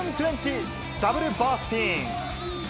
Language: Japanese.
７２０ダブルバースピン。